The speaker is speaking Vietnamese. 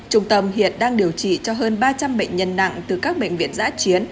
hồ văn măng điều trị cho hơn ba trăm linh bệnh nhân nặng từ các bệnh viện giã chiến